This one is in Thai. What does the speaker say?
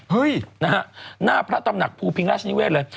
หน้าพระธรรมหนักภูพิงราชนิเวศเลย